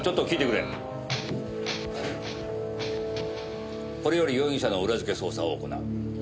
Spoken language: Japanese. これより容疑者の裏づけ捜査を行う。